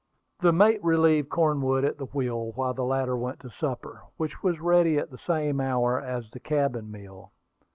The mate relieved Cornwood at the wheel while the latter went to supper, which was ready at the same hour as the cabin meal.